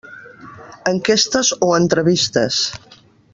Enquestes o entrevistes.